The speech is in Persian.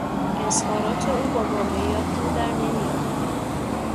اظارات او با واقعیات جور در نمیآمد.